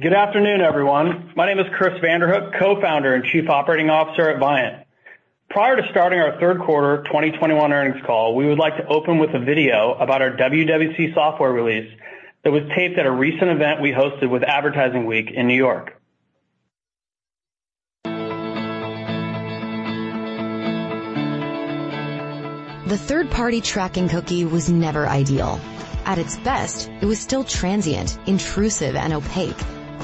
Good afternoon, everyone. My name is Chris Vanderhook, Co-Founder and Chief Operating Officer at Viant. Prior to starting our third quarter 2021 earnings call, we would like to open with a video about our WWC software release that was taped at a recent event we hosted with Advertising Week in New York. The third-party tracking cookie was never ideal. At its best, it was still transient, intrusive, and opaque,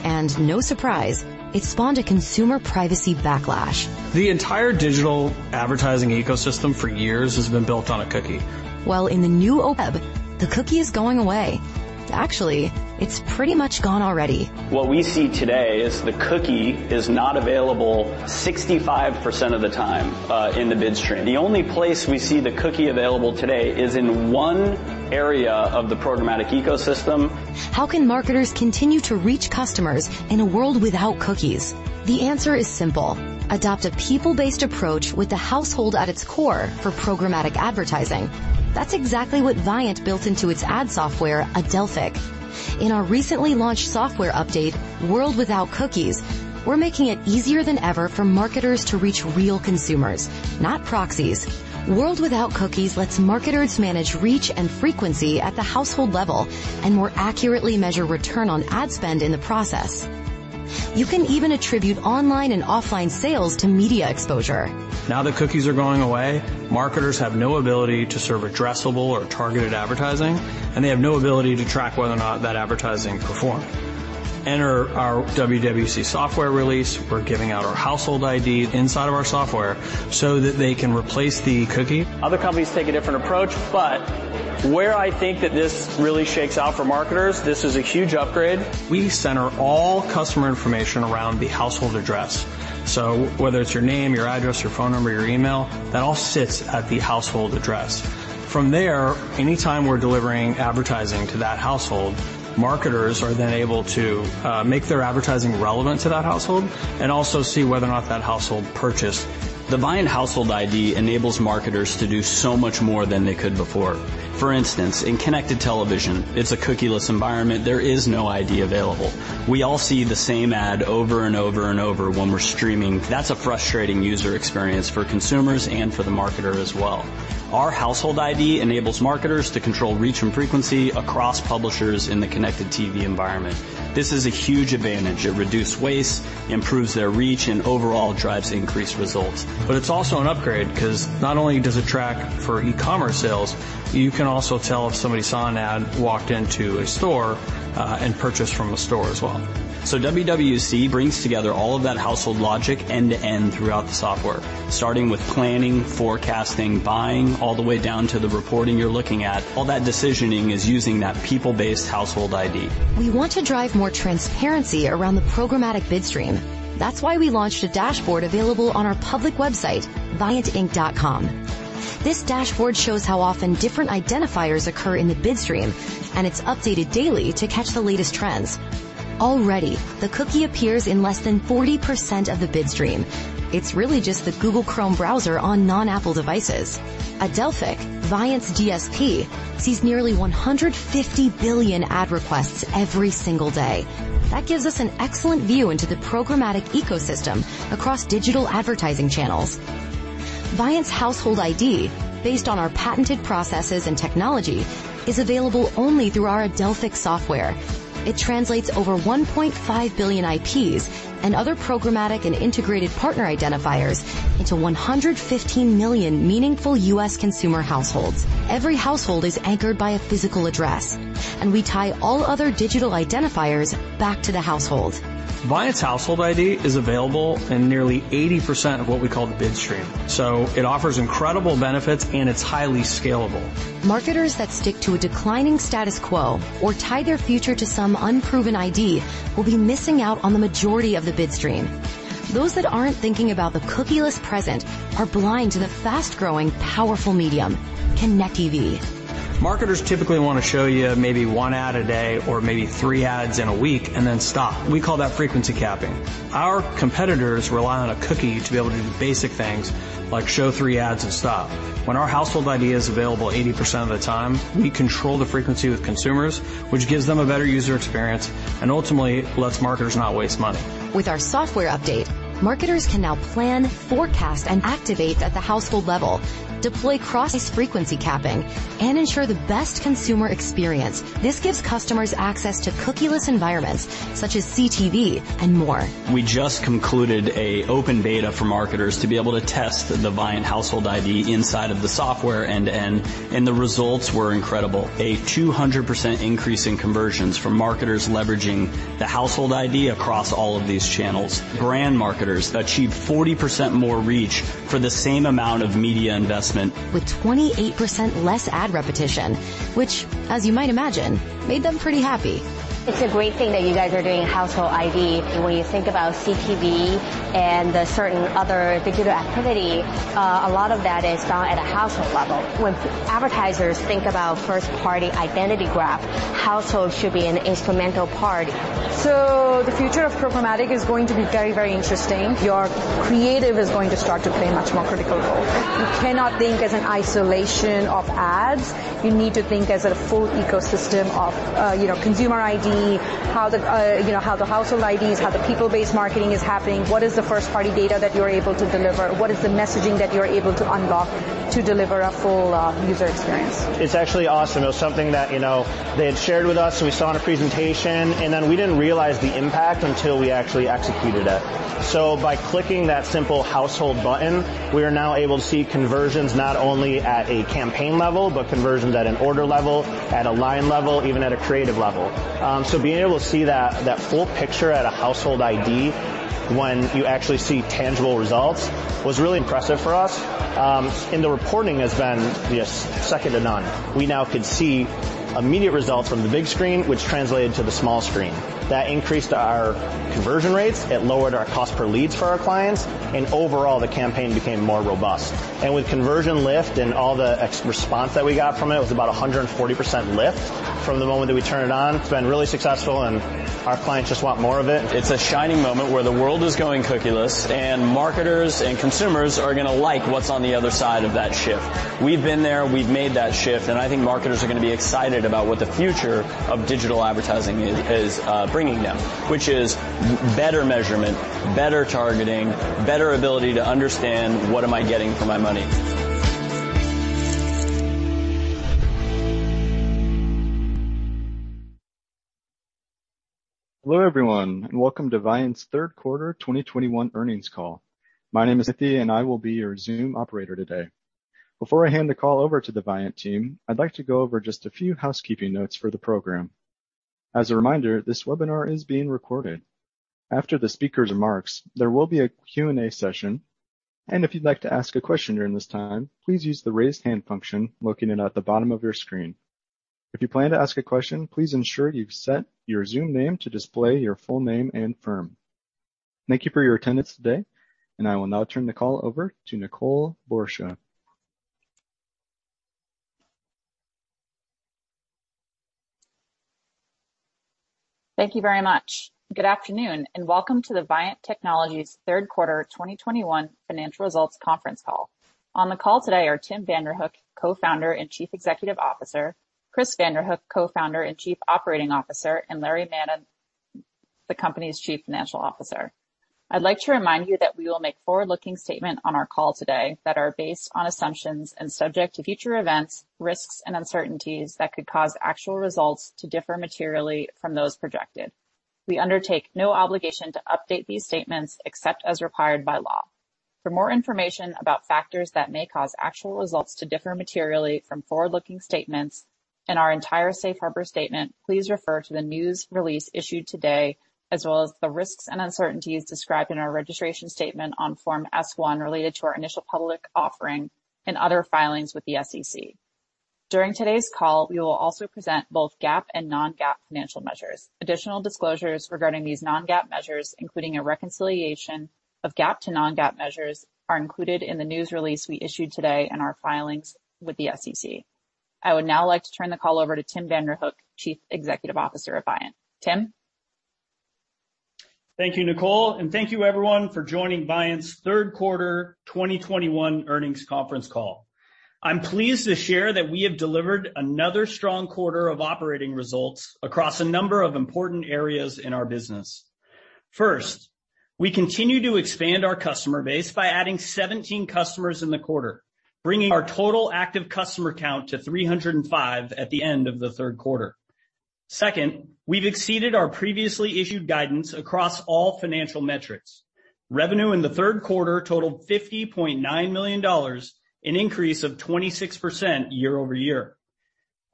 and no surprise, it spawned a consumer privacy backlash. The entire digital advertising ecosystem for years has been built on a cookie. Well, in the new web, the cookie is going away. Actually, it's pretty much gone already. What we see today is the cookie is not available 65% of the time in the bid stream. The only place we see the cookie available today is in one area of the programmatic ecosystem. How can marketers continue to reach customers in a world without cookies? The answer is simple. Adopt a people-based approach with the household at its core for programmatic advertising. That's exactly what Viant built into its ad software, Adelphic. In our recently launched software update, World Without Cookies, we're making it easier than ever for marketers to reach real consumers, not proxies. World Without Cookies lets marketers manage reach and frequency at the household level and more accurately measure return on ad spend in the process. You can even attribute online and offline sales to media exposure. Now that cookies are going away, marketers have no ability to serve addressable or targeted advertising, and they have no ability to track whether or not that advertising performed. Enter our WWC software release. We're giving out our Household ID inside of our software so that they can replace the cookie. Other companies take a different approach, but where I think that this really shakes out for marketers, this is a huge upgrade. We center all customer information around the household address. So whether it's your name, your address, your phone number, your email, that all sits at the household address. From there, anytime we're delivering advertising to that household, marketers are then able to make their advertising relevant to that household and also see whether or not that household purchased. The Viant Household ID enables marketers to do so much more than they could before. For instance, in connected television, it's a cookieless environment. There is no ID available. We all see the same ad over and over and over when we're streaming. That's a frustrating user experience for consumers and for the marketer as well. Our Household ID enables marketers to control reach and frequency across publishers in the connected TV environment. This is a huge advantage. It reduced waste, improves their reach, and overall drives increased results. It's also an upgrade 'cause not only does it track for e-commerce sales, you can also tell if somebody saw an ad, walked into a store, and purchased from a store as well. WWC brings together all of that household logic end to end throughout the software, starting with planning, forecasting, buying, all the way down to the reporting you're looking at. All that decisioning is using that people-based Household ID. We want to drive more transparency around the programmatic bid stream. That's why we launched a dashboard available on our public website, viantinc.com. This dashboard shows how often different identifiers occur in the bid stream, and it's updated daily to catch the latest trends. Already, the cookie appears in less than 40% of the bid stream. It's really just the Google Chrome browser on non-Apple devices. Adelphic, Viant's DSP, sees nearly 150 billion ad requests every single day. That gives us an excellent view into the programmatic ecosystem across digital advertising channels. Viant's Household ID, based on our patented processes and technology, is available only through our Adelphic software. It translates over 1.5 billion IPs and other programmatic and integrated partner identifiers into 115 million meaningful U.S. consumer households. Every household is anchored by a physical address, and we tie all other digital identifiers back to the household. Viant's Household ID is available in nearly 80% of what we call the bid stream, so it offers incredible benefits, and it's highly scalable. Marketers that stick to a declining status quo or tie their future to some unproven ID will be missing out on the majority of the bid stream. Those that aren't thinking about the cookieless present are blind to the fast-growing, powerful medium, Connected TV. Marketers typically wanna show you maybe one ad a day or maybe three ads in a week and then stop. We call that frequency capping. Our competitors rely on a cookie to be able to do basic things like show three ads and stop. When our Household ID is available 80% of the time, we control the frequency with consumers, which gives them a better user experience and ultimately lets marketers not waste money. With our software update, marketers can now plan, forecast, and activate at the household level, deploy cross-frequency capping, and ensure the best consumer experience. This gives customers access to cookieless environments such as CTV and more. We just concluded an open beta for marketers to be able to test the Viant Household ID inside of the software and the results were incredible. A 200% increase in conversions from marketers leveraging the Household ID across all of these channels. Brand marketers achieved 40% more reach for the same amount of media investment. With 28% less ad repetition, which, as you might imagine, made them pretty happy. It's a great thing that you guys are doing Household ID. When you think about CTV and the certain other digital activity, a lot of that is done at a household level. When advertisers think about first-party identity graph, households should be an instrumental part. The future of programmatic is going to be very, very interesting. Your creative is going to start to play a much more critical role. You cannot think in isolation of ads. You need to think of a full ecosystem of consumer ID, how the household IDs, how the people-based marketing is happening, what is the first-party data that you're able to deliver? What is the messaging that you're able to unlock to deliver a full user experience? It's actually awesome. It was something that, you know, they had shared with us, so we saw in a presentation, and then we didn't realize the impact until we actually executed it. By clicking that simple household button, we are now able to see conversions not only at a campaign level, but conversions at an order level, at a line level, even at a creative level. Being able to see that full picture at a Household ID when you actually see tangible results was really impressive for us. The reporting has been, yes, second to none. We now could see immediate results from the big screen, which translated to the small screen. That increased our conversion rates. It lowered our cost per leads for our clients, and overall, the campaign became more robust. With conversion lift and all the response that we got from it was about a 140% lift from the moment that we turned it on. It's been really successful, and our clients just want more of it. It's a shining moment where the world is going cookieless, and marketers and consumers are gonna like what's on the other side of that shift. We've been there, we've made that shift, and I think marketers are gonna be excited about what the future of digital advertising is bringing them, which is better measurement, better targeting, better ability to understand what am I getting for my money? Hello, everyone, and Welcome to Viant's third quarter 2021 earnings call. My name is Ethian, and I will be your Zoom operator today. Before I hand the call over to the Viant team, I'd like to go over just a few housekeeping notes for the program. As a reminder, this webinar is being recorded. After the speaker's remarks, there will be a Q&A session, and if you'd like to ask a question during this time, please use the Raise Hand function located at the bottom of your screen. If you plan to ask a question, please ensure you've set your Zoom name to display your full name and firm. Thank you for your attendance today, and I will now turn the call over to Nicole Borsje. Thank you very much. Good afternoon, and welcome to the Viant Technology third quarter 2021 financial results conference call. On the call today are Tim Vanderhook, Co-Founder and Chief Executive Officer, Chris Vanderhook, Co-Founder and Chief Operating Officer, and Larry Madden, the company's Chief Financial Officer. I'd like to remind you that we will make forward-looking statements on our call today that are based on assumptions and subject to future events, risks and uncertainties that could cause actual results to differ materially from those projected. We undertake no obligation to update these statements except as required by law. For more information about factors that may cause actual results to differ materially from forward-looking statements and our entire safe harbor statement, please refer to the news release issued today as well as the risks and uncertainties described in our registration statement on Form S-1 related to our initial public offering and other filings with the SEC. During today's call, we will also present both GAAP and non-GAAP financial measures. Additional disclosures regarding these non-GAAP measures, including a reconciliation of GAAP to non-GAAP measures, are included in the news release we issued today and our filings with the SEC. I would now like to turn the call over to Tim Vanderhook, Chief Executive Officer of Viant. Tim? Thank you, Nicole, and thank you everyone for joining Viant's third quarter 2021 earnings conference call. I'm pleased to share that we have delivered another strong quarter of operating results across a number of important areas in our business. First, we continue to expand our customer base by adding 17 customers in the quarter, bringing our total active customer count to 305 at the end of the third quarter. Second, we've exceeded our previously issued guidance across all financial metrics. Revenue in the third quarter totaled $50.9 million, an increase of 26% year-over-year.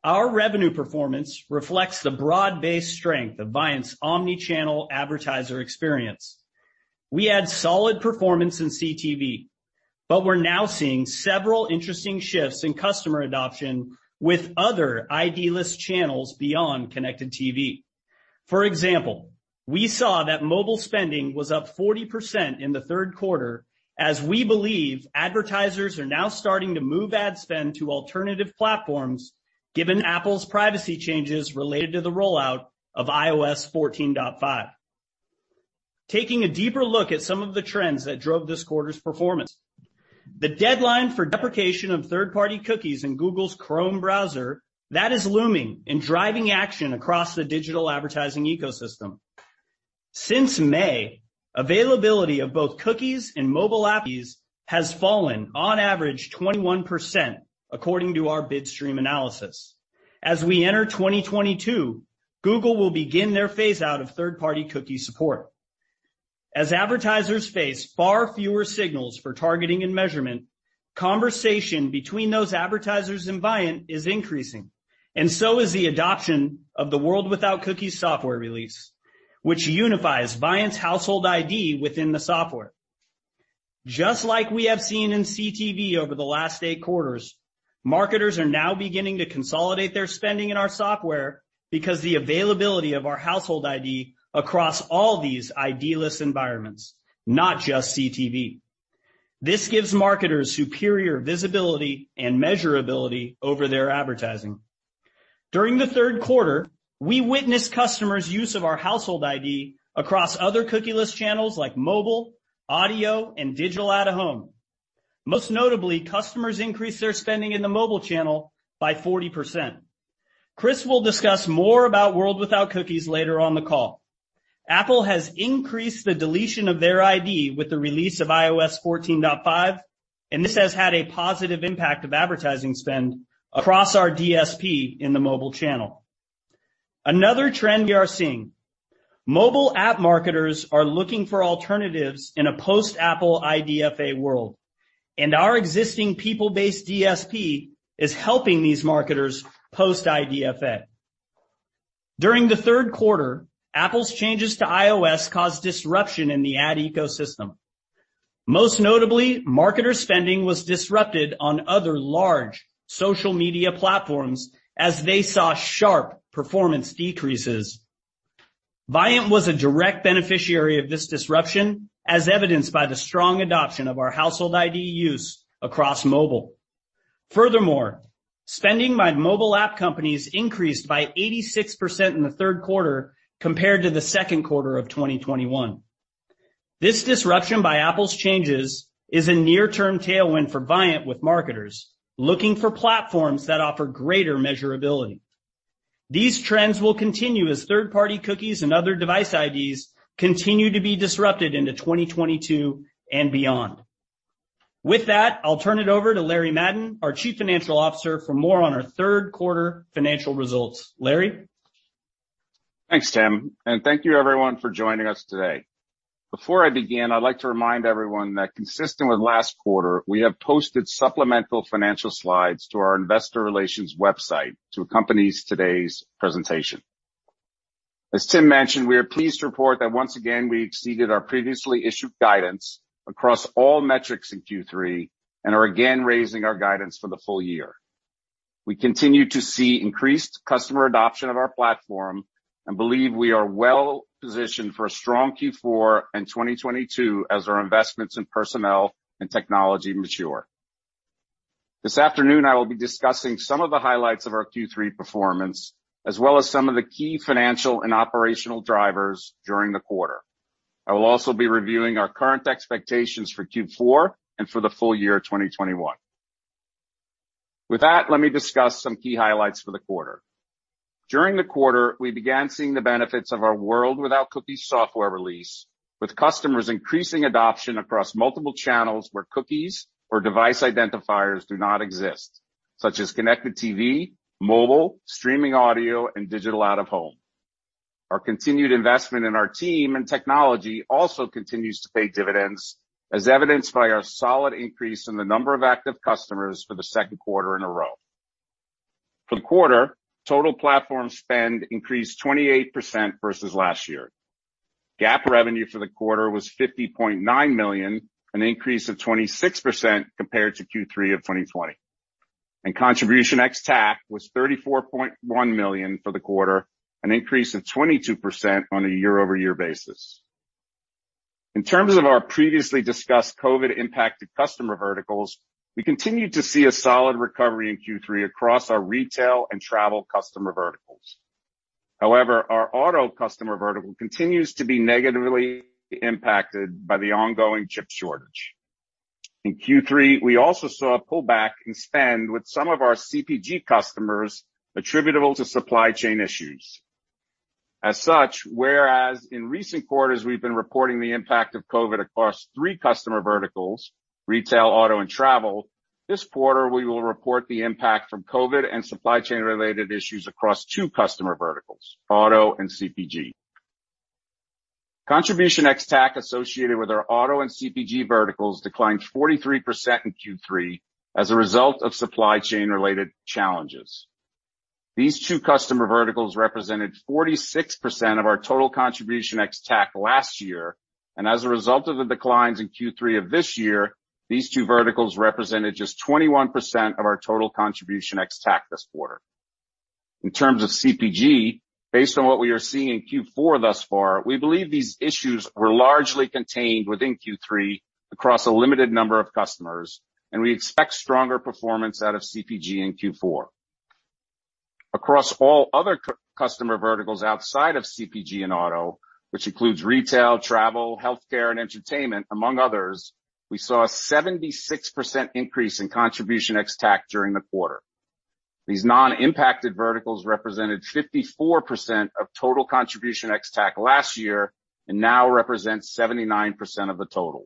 Our revenue performance reflects the broad-based strength of Viant's omni-channel advertiser experience. We had solid performance in CTV, but we're now seeing several interesting shifts in customer adoption with other ID-less channels beyond connected TV. For example, we saw that mobile spending was up 40% in the third quarter as we believe advertisers are now starting to move ad spend to alternative platforms given Apple's privacy changes related to the rollout of iOS 14.5. Taking a deeper look at some of the trends that drove this quarter's performance. The deadline for deprecation of third-party cookies in Google Chrome browser that is looming and driving action across the digital advertising ecosystem. Since May, availability of both cookies and mobile app use has fallen on average 21% according to our bid stream analysis. As we enter 2022, Google will begin their phase out of third-party cookie support. As advertisers face far fewer signals for targeting and measurement, conversation between those advertisers and Viant is increasing, and so is the adoption of the World Without Cookies software release, which unifies Viant's Household ID within the software. Just like we have seen in CTV over the last eight quarters, marketers are now beginning to consolidate their spending in our software because the availability of our Household ID across all these ID-less environments, not just CTV. This gives marketers superior visibility and measurability over their advertising. During the third quarter, we witnessed customers' use of our Household ID across other cookieless channels like mobile, audio, and digital out-of-home. Most notably, customers increased their spending in the mobile channel by 40%. Chris will discuss more about World Without Cookies later on the call. Apple has increased the deletion of their ID with the release of iOS 14.5, and this has had a positive impact of advertising spend across our DSP in the mobile channel. Another trend we are seeing, mobile app marketers are looking for alternatives in a post-Apple IDFA world, and our existing people-based DSP is helping these marketers post IDFA. During the third quarter, Apple's changes to iOS caused disruption in the ad ecosystem. Most notably, marketer spending was disrupted on other large social media platforms as they saw sharp performance decreases. Viant was a direct beneficiary of this disruption, as evidenced by the strong adoption of our Household ID use across mobile. Furthermore, spending by mobile app companies increased by 86% in the third quarter compared to the second quarter of 2021. This disruption by Apple's changes is a near-term tailwind for Viant with marketers looking for platforms that offer greater measurability. These trends will continue as third-party cookies and other device IDs continue to be disrupted into 2022 and beyond. With that, I'll turn it over to Larry Madden, our Chief Financial Officer, for more on our third quarter financial results. Larry? Thanks, Tim, and thank you everyone for joining us today. Before I begin, I'd like to remind everyone that consistent with last quarter, we have posted supplemental financial slides to our investor relations website to accompany today's presentation. As Tim mentioned, we are pleased to report that once again, we exceeded our previously issued guidance across all metrics in Q3 and are again raising our guidance for the full year. We continue to see increased customer adoption of our platform and believe we are well-positioned for a strong Q4 in 2022 as our investments in personnel and technology mature. This afternoon, I will be discussing some of the highlights of our Q3 performance, as well as some of the key financial and operational drivers during the quarter. I will also be reviewing our current expectations for Q4 and for the full year 2021. With that, let me discuss some key highlights for the quarter. During the quarter, we began seeing the benefits of our World Without Cookies software release, with customers increasing adoption across multiple channels where cookies or device identifiers do not exist, such as connected TV, mobile, streaming audio, and digital out of home. Our continued investment in our team and technology also continues to pay dividends, as evidenced by our solid increase in the number of active customers for the second quarter in a row. For the quarter, total platform spend increased 28% versus last year. GAAP revenue for the quarter was $50.9 million, an increase of 26% compared to Q3 of 2020. Contribution ex-TAC was $34.1 million for the quarter, an increase of 22% on a year-over-year basis. In terms of our previously discussed COVID-impacted customer verticals, we continued to see a solid recovery in Q3 across our retail and travel customer verticals. However, our auto customer vertical continues to be negatively impacted by the ongoing chip shortage. In Q3, we also saw a pullback in spend with some of our CPG customers attributable to supply chain issues. As such, whereas in recent quarters we've been reporting the impact of COVID across three customer verticals, retail, auto, and travel, this quarter we will report the impact from COVID and supply chain related issues across two customer verticals, auto and CPG. Contribution ex-TAC associated with our auto and CPG verticals declined 43% in Q3 as a result of supply chain related challenges. These two customer verticals represented 46% of our total contribution ex-TAC last year, and as a result of the declines in Q3 of this year, these two verticals represented just 21% of our total contribution ex-TAC this quarter. In terms of CPG, based on what we are seeing in Q4 thus far, we believe these issues were largely contained within Q3 across a limited number of customers, and we expect stronger performance out of CPG in Q4. Across all other customer verticals outside of CPG and auto, which includes retail, travel, healthcare, and entertainment, among others, we saw a 76% increase in contribution ex-TAC during the quarter. These non-impacted verticals represented 54% of total contribution ex-TAC last year and now represent 79% of the total.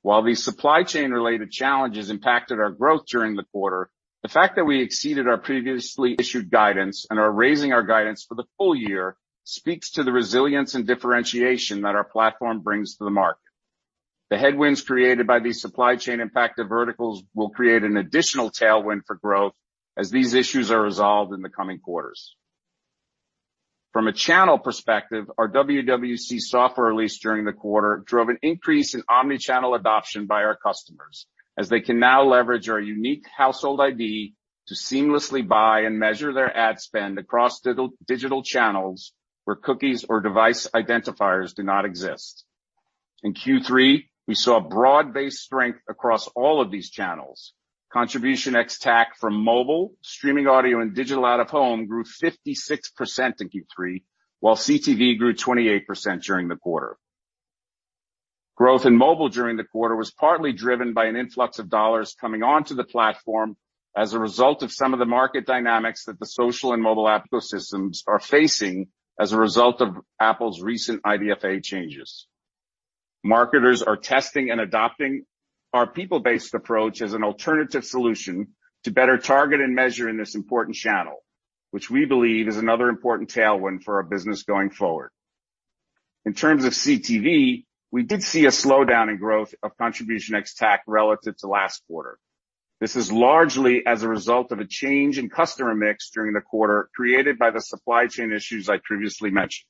While these supply chain related challenges impacted our growth during the quarter, the fact that we exceeded our previously issued guidance and are raising our guidance for the full year speaks to the resilience and differentiation that our platform brings to the market. The headwinds created by these supply chain impacted verticals will create an additional tailwind for growth as these issues are resolved in the coming quarters. From a channel perspective, our WWC software release during the quarter drove an increase in omni-channel adoption by our customers, as they can now leverage our unique Household ID to seamlessly buy and measure their ad spend across digital channels where cookies or device identifiers do not exist. In Q3, we saw broad-based strength across all of these channels. Contribution ex-TAC from mobile, streaming audio and digital out of home grew 56% in Q3, while CTV grew 28% during the quarter. Growth in mobile during the quarter was partly driven by an influx of dollars coming onto the platform as a result of some of the market dynamics that the social and mobile app ecosystems are facing as a result of Apple's recent IDFA changes. Marketers are testing and adopting our people-based approach as an alternative solution to better target and measure in this important channel, which we believe is another important tailwind for our business going forward. In terms of CTV, we did see a slowdown in growth of contribution ex-TAC relative to last quarter. This is largely as a result of a change in customer mix during the quarter created by the supply chain issues I previously mentioned.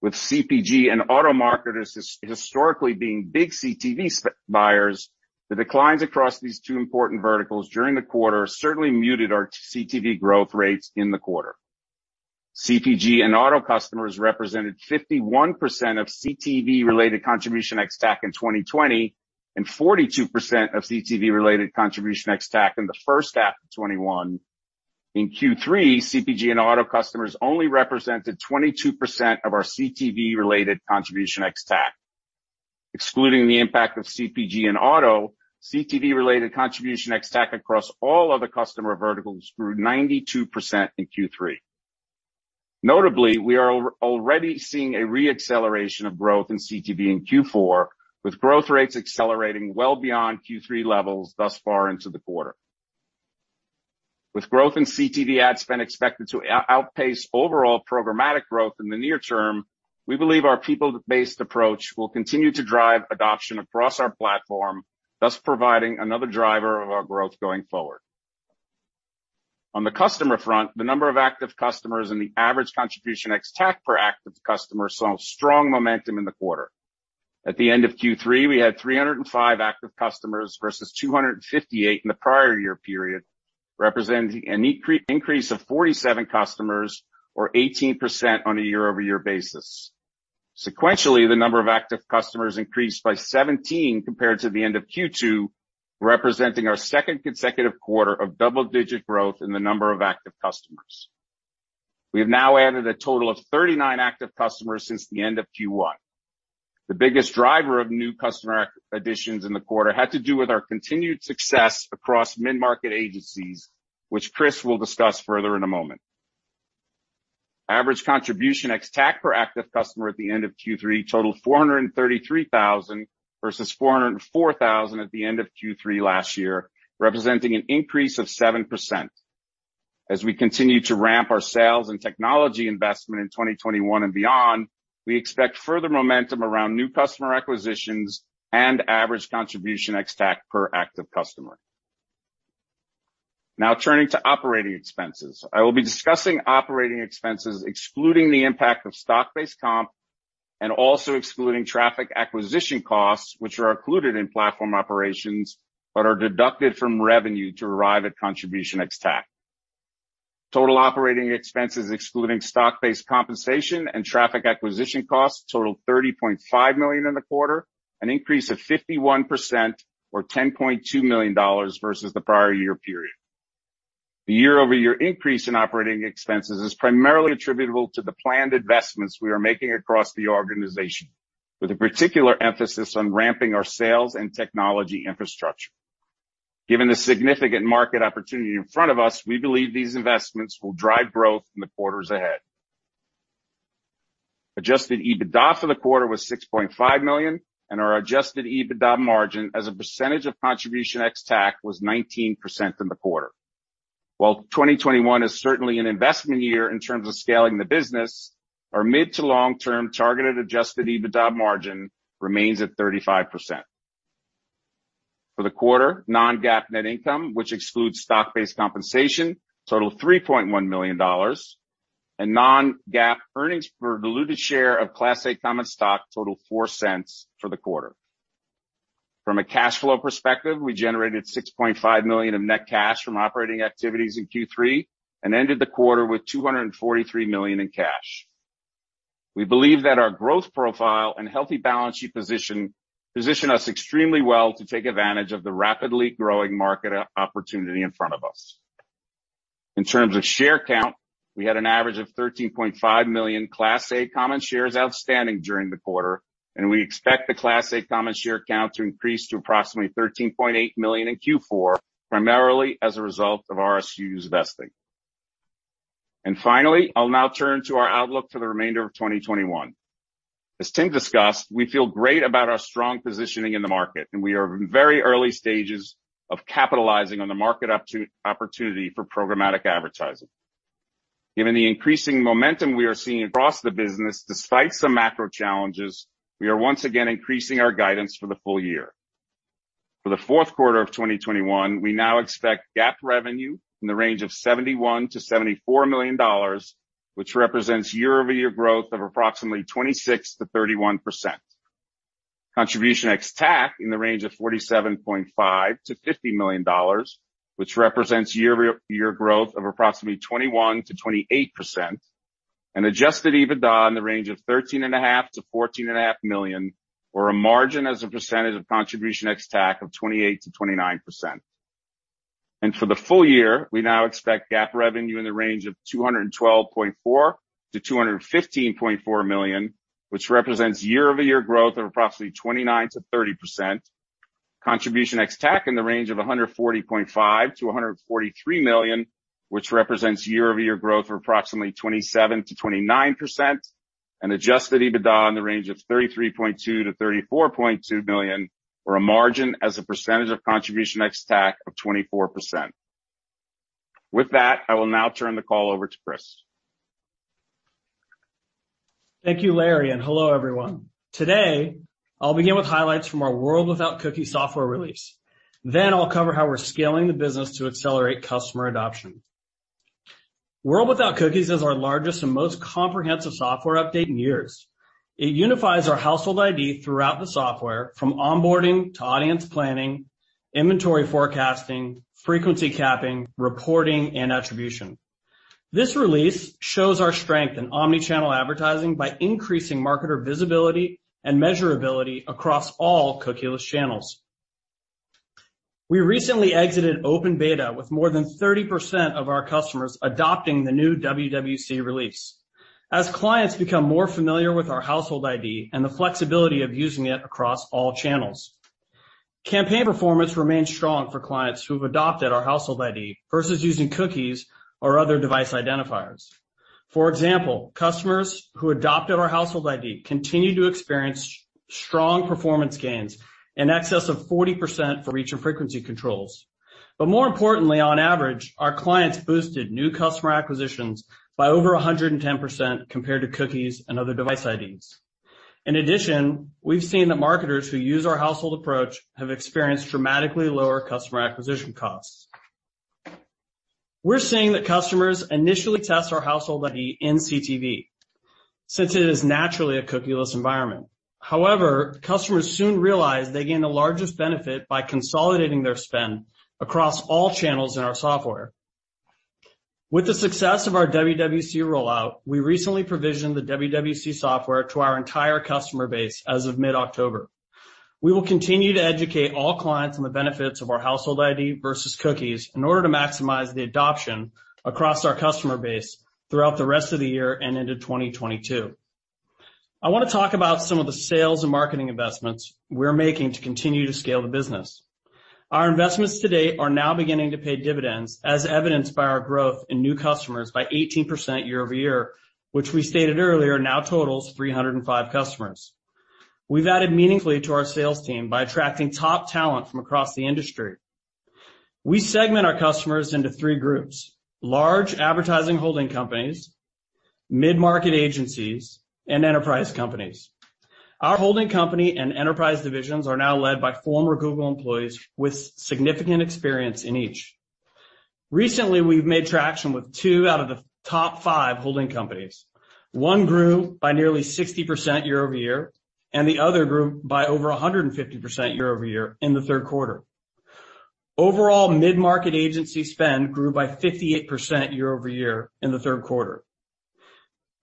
With CPG and auto marketers historically being big CTV spend buyers, the declines across these two important verticals during the quarter certainly muted our CTV growth rates in the quarter. CPG and auto customers represented 51% of CTV related contribution ex-TAC in 2020, and 42% of CTV related contribution ex-TAC in the first half of 2021. In Q3, CPG and auto customers only represented 22% of our CTV related contribution ex-TAC. Excluding the impact of CPG and auto, CTV related contribution ex-TAC across all other customer verticals grew 92% in Q3. Notably, we are already seeing a re-acceleration of growth in CTV in Q4, with growth rates accelerating well beyond Q3 levels thus far into the quarter. With growth in CTV ad spend expected to outpace overall programmatic growth in the near term, we believe our people-based approach will continue to drive adoption across our platform, thus providing another driver of our growth going forward. On the customer front, the number of active customers and the average contribution ex-TAC per active customer saw strong momentum in the quarter. At the end of Q3, we had 305 active customers versus 258 in the prior year period, representing an increase of 47 customers or 18% on a year-over-year basis. Sequentially, the number of active customers increased by 17 compared to the end of Q2, representing our second consecutive quarter of double-digit growth in the number of active customers. We have now added a total of 39 active customers since the end of Q1. The biggest driver of new customer additions in the quarter had to do with our continued success across mid-market agencies, which Chris will discuss further in a moment. Average contribution ex-TAC per active customer at the end of Q3 totaled $433,000 versus $404,000 at the end of Q3 last year, representing an increase of 7%. As we continue to ramp our sales and technology investment in 2021 and beyond, we expect further momentum around new customer acquisitions and average contribution ex-TAC per active customer. Now turning to operating expenses. I will be discussing operating expenses excluding the impact of stock-based comp and also excluding traffic acquisition costs, which are included in platform operations, but are deducted from revenue to arrive at contribution ex-TAC. Total operating expenses excluding stock-based compensation and traffic acquisition costs totaled $30.5 million in the quarter, an increase of 51% or $10.2 million versus the prior year period. The year-over-year increase in operating expenses is primarily attributable to the planned investments we are making across the organization, with a particular emphasis on ramping our sales and technology infrastructure. Given the significant market opportunity in front of us, we believe these investments will drive growth in the quarters ahead. Adjusted EBITDA for the quarter was $6.5 million, and our adjusted EBITDA margin as a percentage of contribution ex-TAC was 19% in the quarter. While 2021 is certainly an investment year in terms of scaling the business, our mid to long term targeted adjusted EBITDA margin remains at 35%. For the quarter, non-GAAP net income, which excludes stock-based compensation, totaled $3.1 million, and non-GAAP earnings per diluted share of Class A common stock totaled $0.04 for the quarter. From a cash flow perspective, we generated $6.5 million of net cash from operating activities in Q3 and ended the quarter with $243 million in cash. We believe that our growth profile and healthy balance sheet position us extremely well to take advantage of the rapidly growing market opportunity in front of us. In terms of share count, we had an average of 13.5 million Class A common shares outstanding during the quarter, and we expect the Class A common share count to increase to approximately 13.8 million in Q4, primarily as a result of RSUs vesting. Finally, I'll now turn to our outlook for the remainder of 2021. As Tim discussed, we feel great about our strong positioning in the market, and we are in very early stages of capitalizing on the market opportunity for programmatic advertising. Given the increasing momentum we are seeing across the business, despite some macro challenges, we are once again increasing our guidance for the full year. For the fourth quarter of 2021, we now expect GAAP revenue in the range of $71 million-$74 million, which represents year-over-year growth of approximately 26%-31%. Contribution ex-TAC in the range of $47.5 million-$50 million, which represents year-over-year growth of approximately 21%-28%. Adjusted EBITDA in the range of $13.5 million-$14.5 million or a margin as a percentage of contribution ex-TAC of 28%-29%. For the full year, we now expect GAAP revenue in the range of $212.4 million-$215.4 million, which represents year-over-year growth of approximately 29%-30%. Contribution ex-TAC in the range of $140.5 million-$143 million, which represents year-over-year growth of approximately 27%-29%. Adjusted EBITDA in the range of $33.2 million-$34.2 million or a margin as a percentage of contribution ex-TAC of 24%. With that, I will now turn the call over to Chris. Thank you, Larry, and hello, everyone. Today, I'll begin with highlights from our World Without Cookies software release. I'll cover how we're scaling the business to accelerate customer adoption. World Without Cookies is our largest and most comprehensive software update in years. It unifies our Household ID throughout the software from onboarding to audience planning, inventory forecasting, frequency capping, reporting, and attribution. This release shows our strength in omnichannel advertising by increasing marketer visibility and measurability across all cookieless channels. We recently exited open beta with more than 30% of our customers adopting the new WWC release. As clients become more familiar with our Household ID and the flexibility of using it across all channels, campaign performance remains strong for clients who have adopted our Household ID versus using cookies or other device identifiers. For example, customers who adopted our Household ID continued to experience strong performance gains in excess of 40% for reach and frequency controls. More importantly, on average, our clients boosted new customer acquisitions by over 110% compared to cookies and other device IDs. In addition, we've seen that marketers who use our household approach have experienced dramatically lower customer acquisition costs. We're seeing that customers initially test our Household ID in CTV since it is naturally a cookieless environment. However, customers soon realize they gain the largest benefit by consolidating their spend across all channels in our software. With the success of our WWC rollout, we recently provisioned the WWC software to our entire customer base as of mid-October. We will continue to educate all clients on the benefits of our Household ID versus cookies in order to maximize the adoption across our customer base throughout the rest of the year and into 2022. I wanna talk about some of the sales and marketing investments we're making to continue to scale the business. Our investments today are now beginning to pay dividends as evidenced by our growth in new customers by 18% year-over-year, which we stated earlier now totals 305 customers. We've added meaningfully to our sales team by attracting top talent from across the industry. We segment our customers into three groups, large advertising holding companies, mid-market agencies, and enterprise companies. Our holding company and enterprise divisions are now led by former Google employees with significant experience in each. Recently, we've made traction with two out of the top five holding companies. One grew by nearly 60% year-over-year, and the other grew by over 150% year-over-year in the third quarter. Overall, mid-market agency spend grew by 58% year-over-year in the third quarter.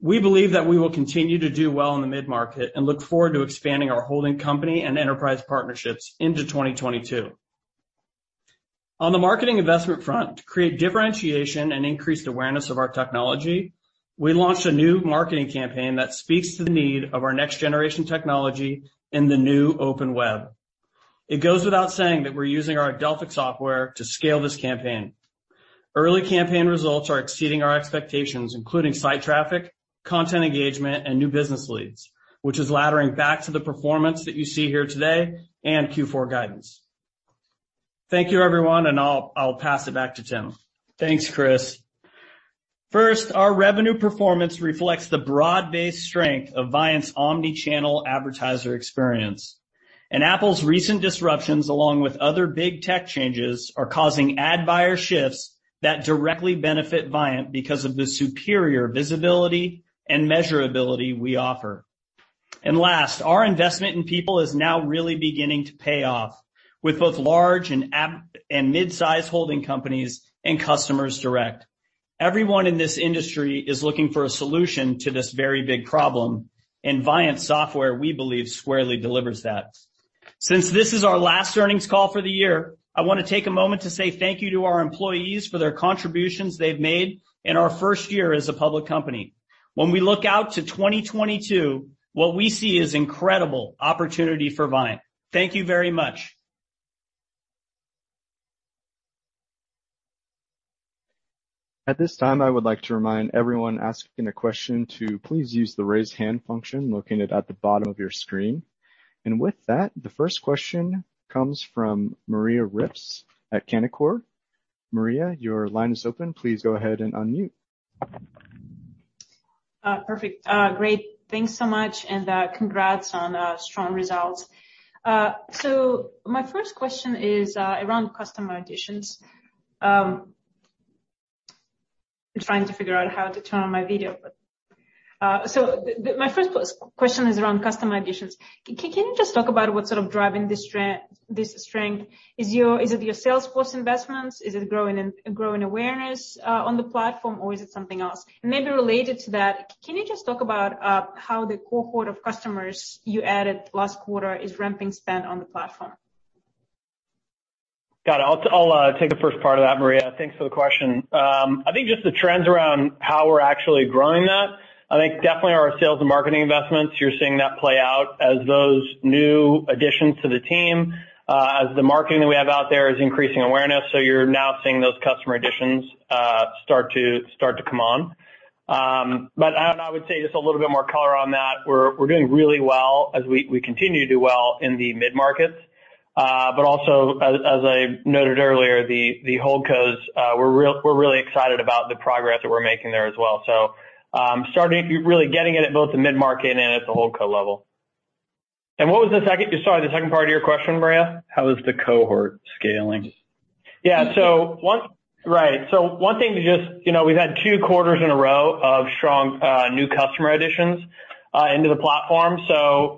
We believe that we will continue to do well in the mid-market and look forward to expanding our holding company and enterprise partnerships into 2022. On the marketing investment front, to create differentiation and increased awareness of our technology, we launched a new marketing campaign that speaks to the need of our next generation technology in the new open web. It goes without saying that we're using our Adelphic software to scale this campaign. Early campaign results are exceeding our expectations, including site traffic, content engagement, and new business leads, which is laddering back to the performance that you see here today and Q4 guidance. Thank you, everyone, and I'll pass it back to Tim. Thanks, Chris. First, our revenue performance reflects the broad-based strength of Viant's omnichannel advertiser experience. Apple's recent disruptions, along with other big tech changes, are causing ad buyer shifts that directly benefit Viant because of the superior visibility and measurability we offer. Last, our investment in people is now really beginning to pay off with both large and mid-size holding companies and customers direct. Everyone in this industry is looking for a solution to this very big problem, and Viant software, we believe, squarely delivers that. Since this is our last earnings call for the year, I wanna take a moment to say thank you to our employees for their contributions they've made in our first year as a public company. When we look out to 2022, what we see is incredible opportunity for Viant. Thank you very much. At this time, I would like to remind everyone asking a question to please use the Raise Hand function located at the bottom of your screen. With that, the first question comes from Maria Ripps at Canaccord. Maria, your line is open. Please go ahead and unmute. Perfect. Great. Thanks so much, and congrats on strong results. My first question is around customer additions. I'm trying to figure out how to turn on my video. My first question is around customer additions. Can you just talk about what's sort of driving this strength? Is it your sales force investments? Is it growing awareness on the platform, or is it something else? Maybe related to that, can you just talk about how the cohort of customers you added last quarter is ramping spend on the platform? Got it. I'll take the first part of that, Maria. Thanks for the question. I think just the trends around how we're actually growing that. I think definitely our sales and marketing investments. You're seeing that play out as those new additions to the team, as the marketing that we have out there is increasing awareness, so you're now seeing those customer additions start to come on. But I don't know. I would say just a little bit more color on that. We're doing really well as we continue to do well in the mid-markets, but also as I noted earlier, the holdcos, we're really excited about the progress that we're making there as well. Starting to really get it at both the mid-market and at the holdco level. What was the second part of your question, Maria? How is the cohort scaling? One thing to just, you know, we've had two quarters in a row of strong new customer additions into the platform.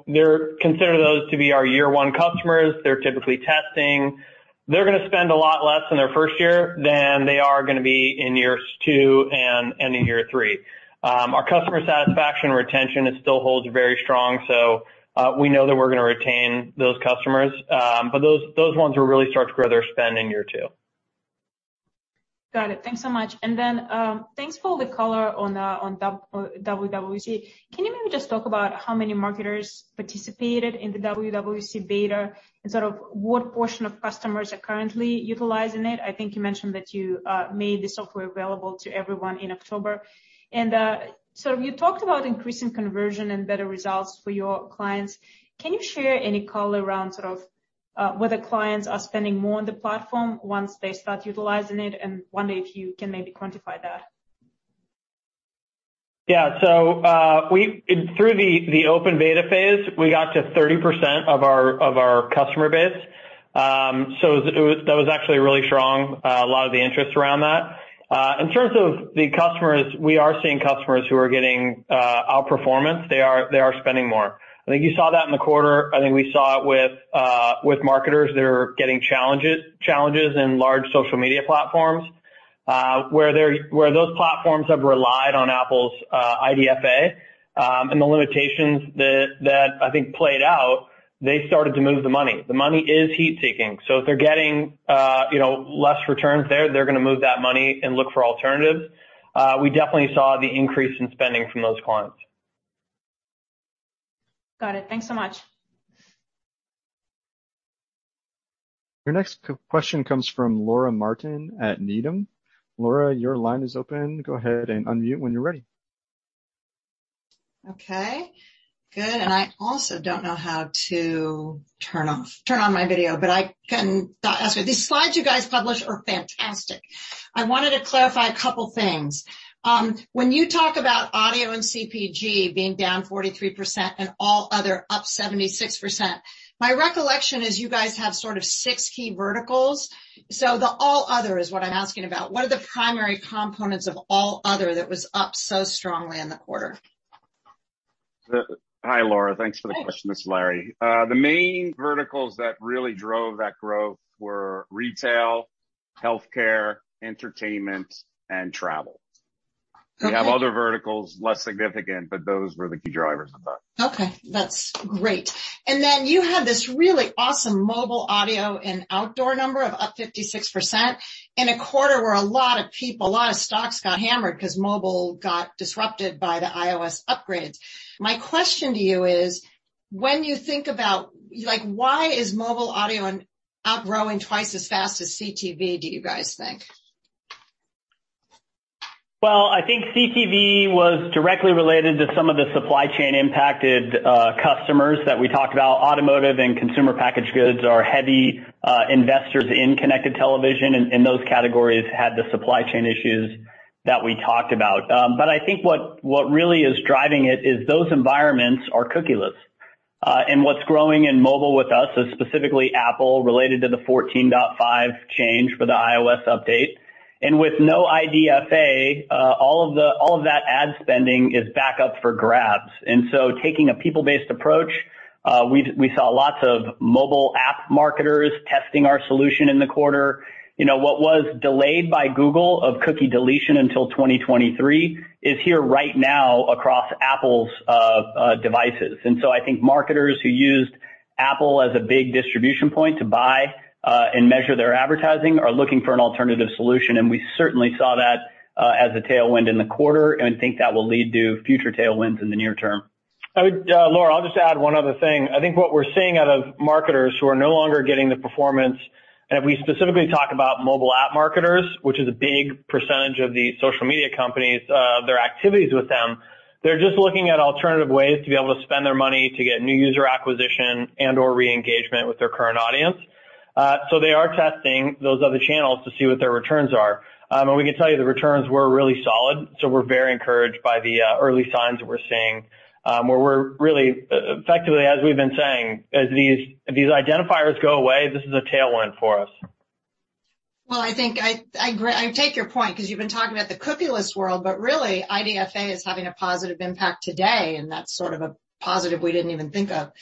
We consider those to be our year one customers. They're typically testing. They're gonna spend a lot less in their first year than they are gonna be in years two and into year three. Our customer satisfaction retention, it still holds very strong. We know that we're gonna retain those customers. But those ones will really start to grow their spend in year two. Got it. Thanks so much. Thanks for all the color on WWC. Can you maybe just talk about how many marketers participated in the WWC beta and sort of what portion of customers are currently utilizing it? I think you mentioned that you made the software available to everyone in October. You talked about increasing conversion and better results for your clients. Can you share any color around sort of whether clients are spending more on the platform once they start utilizing it? Wondering if you can maybe quantify that. Through the open beta phase, we got to 30% of our customer base. That was actually really strong, a lot of the interest around that. In terms of the customers, we are seeing customers who are getting outperformance. They are spending more. I think you saw that in the quarter. I think we saw it with marketers that are getting challenges in large social media platforms, where those platforms have relied on Apple's IDFA, and the limitations that I think played out, they started to move the money. The money is heat-seeking. If they're getting you know, less returns there, they're gonna move that money and look for alternatives. We definitely saw the increase in spending from those clients. Got it. Thanks so much. Your next question comes from Laura Martin at Needham. Laura, your line is open. Go ahead and unmute when you're ready. Okay, good. I also don't know how to turn on my video, but I can ask. These slides you guys publish are fantastic. I wanted to clarify a couple things. When you talk about auto and CPG being down 43% and all other up 76%, my recollection is you guys have sort of six key verticals. The all other is what I'm asking about. What are the primary components of all other that was up so strongly in the quarter? Hi, Laura. Thanks for the question. Thanks. This is Larry. The main verticals that really drove that growth were retail, healthcare, entertainment, and travel. Okay. We have other verticals, less significant, but those were the key drivers of that. Okay, that's great. You had this really awesome mobile, audio, and outdoor number up 56% in a quarter where a lot of people, a lot of stocks got hammered 'cause mobile got disrupted by the iOS upgrades. My question to you is, when you think about, like, why is mobile audio outgrowing twice as fast as CTV, do you guys think? Well, I think CTV was directly related to some of the supply chain impacted customers that we talked about. Automotive and consumer packaged goods are heavy investors in connected television, and those categories had the supply chain issues that we talked about. I think what really is driving it is those environments are cookieless. What's growing in mobile with us is specifically Apple related to the 14.5 change for the iOS update. With no IDFA, all of that ad spending is back up for grabs. Taking a people-based approach, we saw lots of mobile app marketers testing our solution in the quarter. You know, what was delayed by Google's cookie deletion until 2023 is here right now across Apple's devices. I think marketers who used Apple as a big distribution point to buy and measure their advertising are looking for an alternative solution, and we certainly saw that as a tailwind in the quarter and think that will lead to future tailwinds in the near term. Laura, I'll just add one other thing. I think what we're seeing out of marketers who are no longer getting the performance, and if we specifically talk about mobile app marketers, which is a big percentage of the social media companies, their activities with them, they're just looking at alternative ways to be able to spend their money to get new user acquisition and/or re-engagement with their current audience. They are testing those other channels to see what their returns are. We can tell you the returns were really solid. We're very encouraged by the early signs that we're seeing, where we're really effectively, as we've been saying, as these identifiers go away, this is a tailwind for us. Well, I think I agree. I take your point because you've been talking about the cookieless world, but really, IDFA is having a positive impact today, and that's sort of a positive we didn't even think of.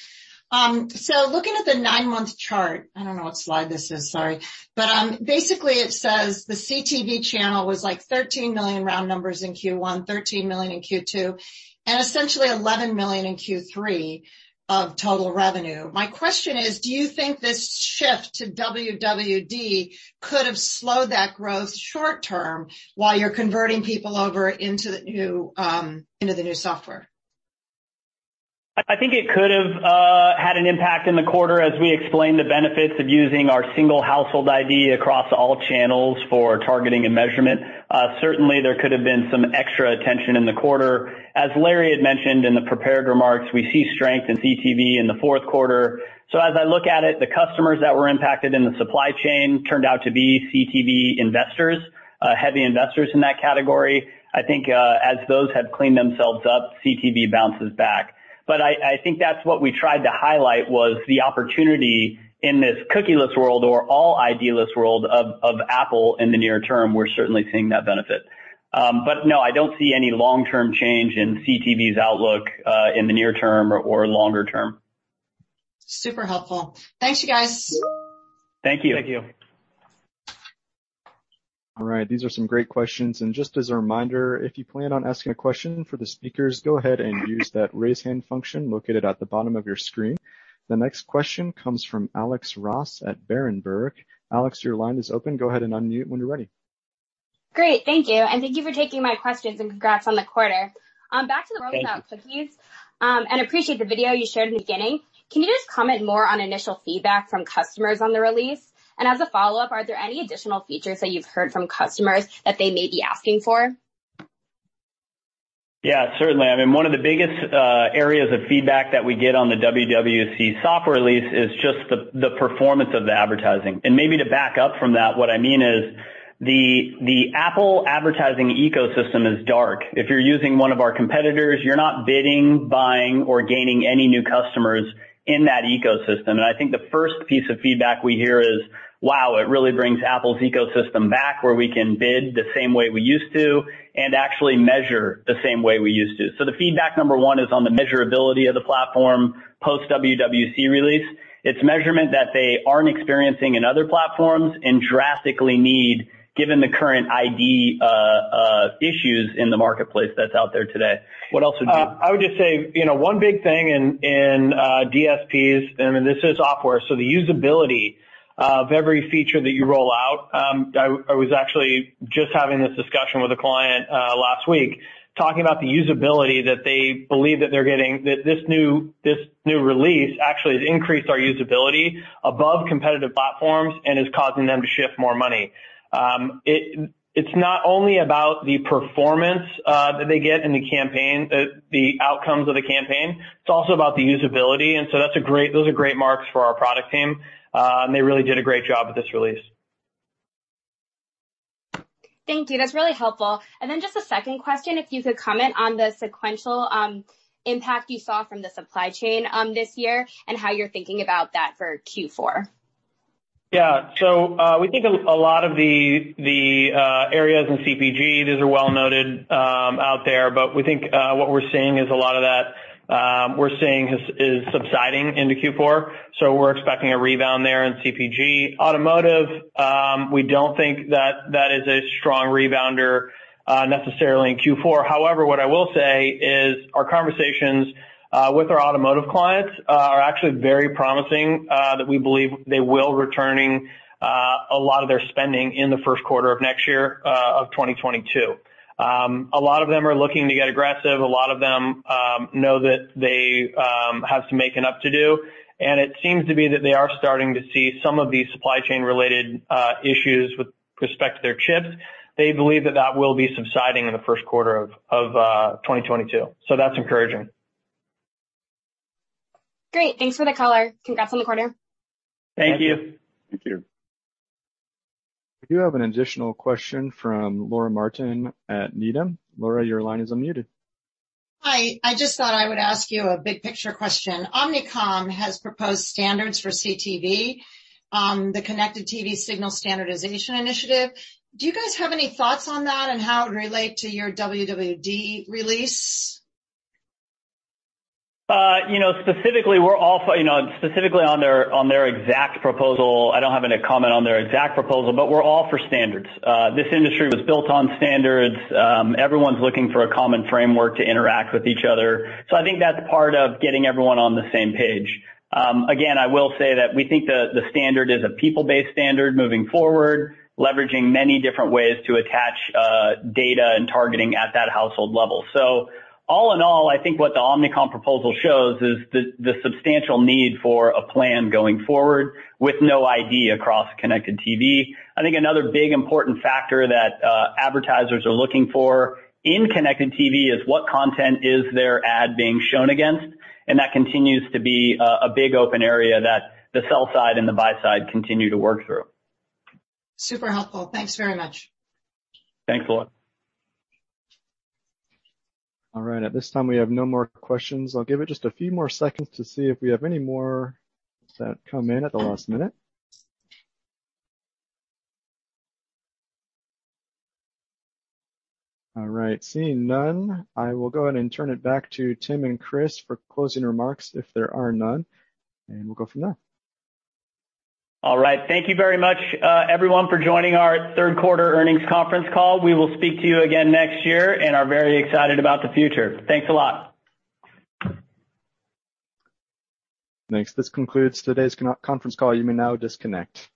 Looking at the nine-month chart, I don't know what slide this is, sorry. Basically, it says the CTV channel was like $13 million round numbers in Q1, $13 million in Q2, and essentially $11 million in Q3 of total revenue. My question is, do you think this shift to WWC could have slowed that growth short term while you're converting people over into the new, into the new software? I think it could have had an impact in the quarter as we explained the benefits of using our single Household ID across all channels for targeting and measurement. Certainly, there could have been some extra attention in the quarter. As Larry had mentioned in the prepared remarks, we see strength in CTV in the fourth quarter. As I look at it, the customers that were impacted in the supply chain turned out to be CTV investors, heavy investors in that category. I think as those have cleaned themselves up, CTV bounces back. I think that's what we tried to highlight was the opportunity in this cookieless world or all ID-less world of Apple in the near term, we're certainly seeing that benefit. No, I don't see any long-term change in CTV's outlook, in the near term or longer term. Super helpful. Thanks, you guys. Thank you. Thank you. All right, these are some great questions. Just as a reminder, if you plan on asking a question for the speakers, go ahead and use that raise hand function located at the bottom of your screen. The next question comes from Alex Roche at Berenberg. Alex, your line is open. Go ahead and unmute when you're ready. Great. Thank you. Thank you for taking my questions, and congrats on the quarter. Thank you. World Without Cookies, and appreciate the video you shared in the beginning. Can you just comment more on initial feedback from customers on the release? As a follow-up, are there any additional features that you've heard from customers that they may be asking for? Yeah, certainly. I mean, one of the biggest areas of feedback that we get on the WWC software release is just the performance of the advertising. Maybe to back up from that, what I mean is the Apple advertising ecosystem is dark. If you're using one of our competitors, you're not bidding, buying, or gaining any new customers in that ecosystem. I think the first piece of feedback we hear is, "Wow, it really brings Apple's ecosystem back where we can bid the same way we used to and actually measure the same way we used to." The feedback number one is on the measurability of the platform post-WWC release. It's measurement that they aren't experiencing in other platforms and drastically need given the current ID issues in the marketplace that's out there today. I would just say, you know, one big thing in DSPs, and this is software, so the usability of every feature that you roll out. I was actually just having this discussion with a client last week, talking about the usability that they believe that they're getting. That this new release actually has increased our usability above competitive platforms and is causing them to shift more money. It's not only about the performance that they get in the campaign, the outcomes of the campaign, it's also about the usability. That's great. Those are great marks for our product team. They really did a great job with this release. Thank you. That's really helpful. Just a second question, if you could comment on the sequential impact you saw from the supply chain this year and how you're thinking about that for Q4? We think a lot of the areas in CPG, these are well noted out there, but we think what we're seeing is a lot of that subsiding into Q4. We're expecting a rebound there in CPG. Automotive, we don't think that is a strong rebounder necessarily in Q4. However, what I will say is our conversations with our automotive clients are actually very promising, that we believe they will return a lot of their spending in the first quarter of next year, of 2022. A lot of them are looking to get aggressive. A lot of them know that they have some making up to do. It seems to be that they are starting to see some of these supply chain related issues with respect to their chips. They believe that that will be subsiding in the first quarter of 2022. That's encouraging. Great. Thanks for the color. Congrats on the quarter. Thank you. Thank you. We do have an additional question from Laura Martin at Needham. Laura, your line is unmuted. Hi. I just thought I would ask you a big picture question. Omnicom has proposed standards for CTV, the Connected TV Signal Standardization Initiative. Do you guys have any thoughts on that and how it would relate to your WWC release? You know, specifically on their exact proposal, I don't have any comment on their exact proposal, but we're all for standards. This industry was built on standards. Everyone's looking for a common framework to interact with each other. I think that's part of getting everyone on the same page. Again, I will say that we think the standard is a people-based standard moving forward, leveraging many different ways to attach data and targeting at that household level. All in all, I think what the Omnicom proposal shows is the substantial need for a plan going forward with no ID across connected TV. I think another big important factor that advertisers are looking for in connected TV is what content is their ad being shown against, and that continues to be a big open area that the sell side and the buy side continue to work through. Super helpful. Thanks very much. Thanks, Laura. All right, at this time, we have no more questions. I'll give it just a few more seconds to see if we have any more that come in at the last minute. All right. Seeing none, I will go ahead and turn it back to Tim and Chris for closing remarks, if there are none, and we'll go from there. All right. Thank you very much, everyone for joining our third quarter earnings conference call. We will speak to you again next year and are very excited about the future. Thanks a lot. Thanks. This concludes today's conference call. You may now disconnect.